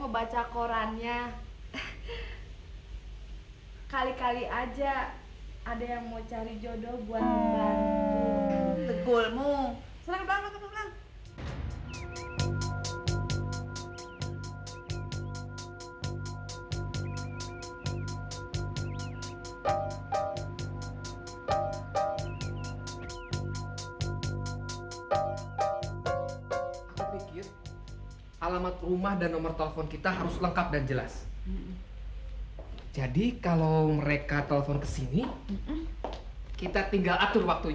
bagaimana kita mencegah mereka kepencangan